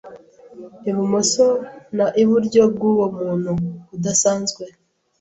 Ibumoso na Iburyo bwuwo muntu udasanzwe